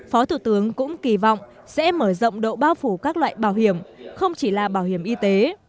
phó thủ tướng cũng kỳ vọng sẽ mở rộng độ bao phủ các loại bảo hiểm không chỉ là bảo hiểm y tế